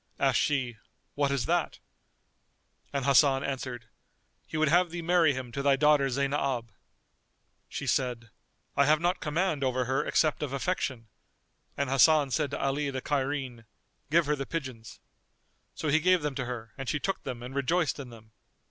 Asked she "What is that?" And Hasan answered, "He would have thee marry him to thy daughter Zaynab." She said, "I have not command over her except of affection"; and Hasan said to Ali the Cairene "Give her the pigeons." So he gave them to her, and she took them and rejoiced in them.